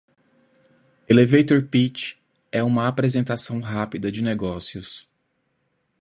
Elevator Pitch é uma apresentação rápida de negócios.